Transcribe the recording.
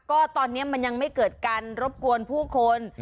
ก็ตอนนี้มันยังไม่เกิดการรบกวนผู้คน